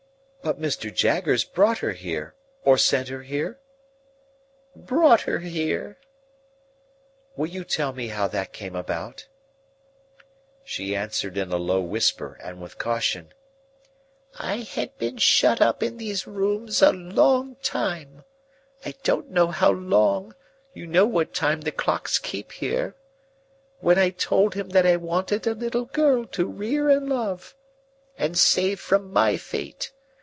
"But Mr. Jaggers brought her here, or sent her here?" "Brought her here." "Will you tell me how that came about?" She answered in a low whisper and with caution: "I had been shut up in these rooms a long time (I don't know how long; you know what time the clocks keep here), when I told him that I wanted a little girl to rear and love, and save from my fate.